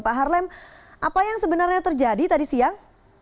pak harlem apa yang sebenarnya terjadi tadi siang